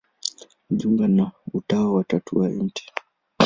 Alijiunga na Utawa wa Tatu wa Mt.